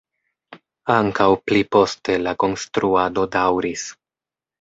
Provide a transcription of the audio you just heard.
Ankaŭ pli poste la konstruado daŭris.